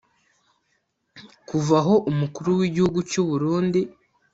Kuva aho umukuru w’igihugu cy’u Burundi